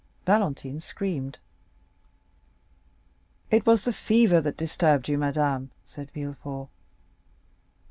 Valentine screamed. "It was the fever that disturbed you, madame," said Villefort.